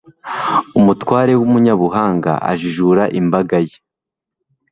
umutware w'umunyabuhanga ajijura imbaga ye